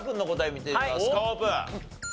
オープン。